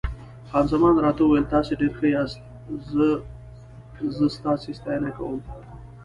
خان زمان راته وویل: تاسي ډېر ښه یاست، زه ستاسي ستاینه کوم.